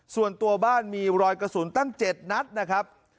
ส่วนตัวบ้านมีรอยกระสุนตั้ง๗นัดนะครับ